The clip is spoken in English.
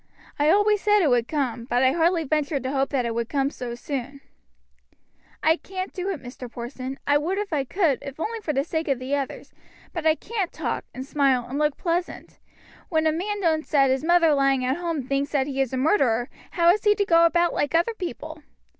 I always said it would come, but I hardly ventured to hope that it would come so soon." "I can't do it, Mr. Porson; I would if I could, if only for the sake of the others; but I can't talk, and smile, and look pleasant. When a man knows that his mother lying at home thinks that he is a murderer how is he to go about like other people?"